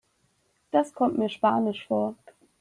Das kommt mir spanisch vor.